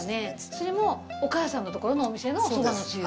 それもお母さんのところのお店のそばのつゆ？